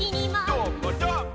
どーもどーも。